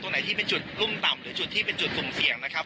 ไหนที่เป็นจุดรุ่มต่ำหรือจุดที่เป็นจุดกลุ่มเสี่ยงนะครับ